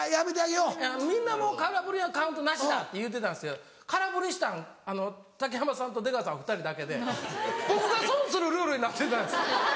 みんな空振りはカウントなしだ」って言うてたんですけど空振りしたん竹山さんと出川さん２人だけで僕が損するルールになってたんです。